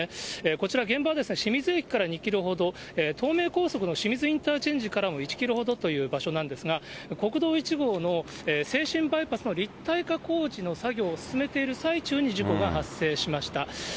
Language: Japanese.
こちら、現場は清水駅から２キロほど、東名高速の清水インターチェンジからも１キロほどという場所なんですが、国道１号の静清バイパスの立体化工事の作業を進めている最中に事故が発生しました。